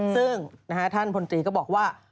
ซึ่งท่านพลตรีก็บอกว่า